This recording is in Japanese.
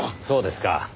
そうですか。